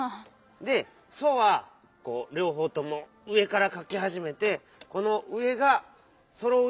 で「ソ」はこうりょうほうとも上からかきはじめてこの上がそろうようにかかないとダメ！